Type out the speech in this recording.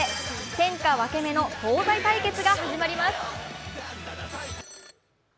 天下分け目の東西対決が始まります。